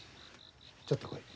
ちょっと来い。